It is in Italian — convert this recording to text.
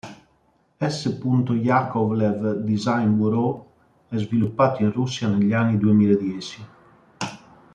S. Yakovlev Design Bureau e sviluppato in Russia negli anni duemiladieci.